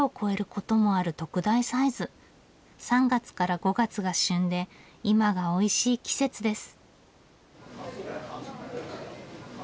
３月から５月が旬で今がおいしい季節です。